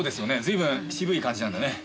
随分渋い感じなんだね。